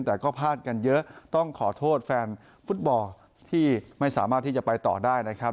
แต่ก็พลาดกันเยอะต้องขอโทษแฟนฟุตบอลที่ไม่สามารถที่จะไปต่อได้นะครับ